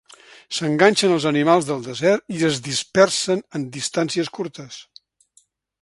S'enganxen als animals del desert i es dispersen en distàncies curtes.